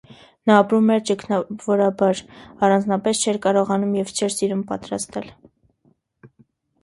Նա ապրում էր ճգնավորաբար, առանձնապես չէր կարողանում և չէր սիրում պատրաստել։